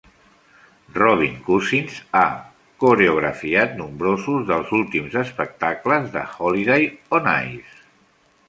Robin Cousins ha coreografiat nombrosos dels últims espectacles de Holiday on Ice.